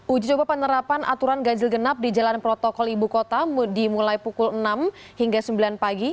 uji coba penerapan aturan ganjil genap di jalan protokol ibu kota dimulai pukul enam hingga sembilan pagi